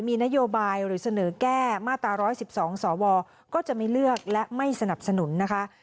มีนโยบายหรือเสนอแก้มาตรา๑๑๒สวก็จะไม่เลือกและไม่สนับสนุนนะคะ